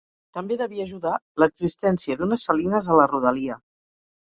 També devia ajudar l'existència d'unes salines a la rodalia.